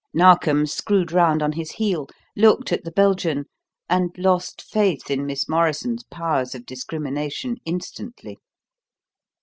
Narkom screwed round on his heel, looked at the Belgian, and lost faith in Miss Morrison's powers of discrimination instantly.